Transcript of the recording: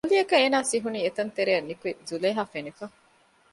ކުއްލިއަކަށް އޭނާ ސިހުނީ އެތަން ތެރެއިން ނިކުތް ޒުލޭހާ ފެނިފަ